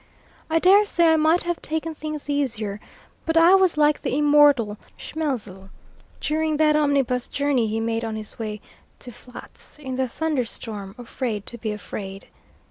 I dare say I might have taken things easier, but I was like the immortal Schmelzle, during that omnibus journey he made on his way to Flaetz in the thunder storm afraid to be afraid.